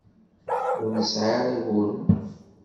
Ur nesɛi ara uguren.